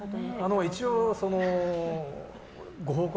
一応、ご報告。